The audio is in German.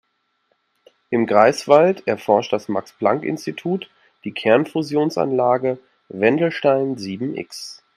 In Greifswald erforscht das Max-Planck-Institut die Kernfusionsanlage Wendelstein sieben-X.